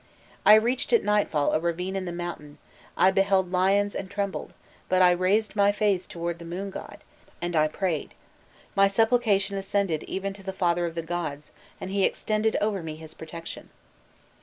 "I reached at nightfall a ravine in the mountain, I beheld lions and trembled, but I raised my face towards the moon god, and I prayed: my supplication ascended even to the father of the gods, and he extended over me his protection."